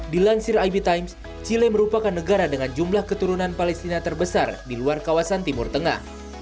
dilansir ib times chile merupakan negara dengan jumlah keturunan palestina terbesar di luar kawasan timur tengah